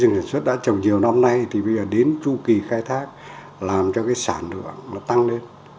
sản xuất đã trồng nhiều năm nay thì bây giờ đến chu kỳ khai thác làm cho cái sản lượng nó tăng lên